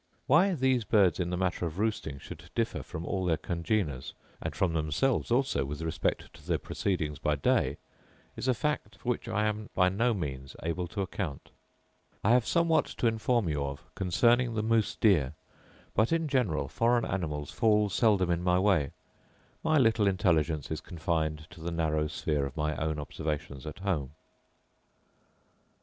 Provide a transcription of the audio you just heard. Why these birds, in the matter of roosting, should differ from all their congeners, and from themselves also with respect to their proceedings by day, is a fact for which I am by no means able to account. I have somewhat to inform you of concerning the moose deer; but in general foreign animals fall seldom in my way; my little intelligence is confined to the narrow sphere of my own observations at home.